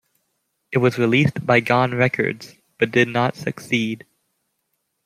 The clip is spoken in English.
It was released by Gone Records, but did not succeed.